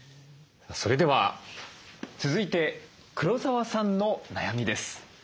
それでは続いて黒沢さんの悩みです。